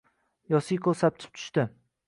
Yosiko sapchib tushdi